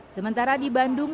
sementara di bandung